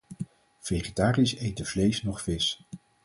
Vegetariërs eten vlees noch vis.